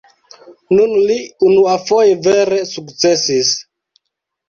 Nun li unuafoje vere sukcesis.